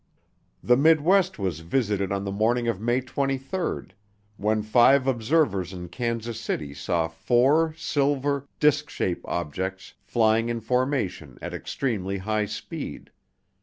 The midwest was visited on the morning of May 23rd, when five observers in Kansas City saw four silver, disc shaped objects flying in formation at extremely high speed.